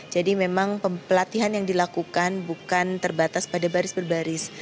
jadi memang pelatihan yang dilakukan bukan terbatas pada baris per baris